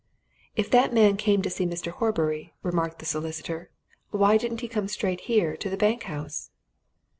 "If that man came to see Mr. Horbury," remarked the solicitor, "why didn't he come straight here to the bank house?"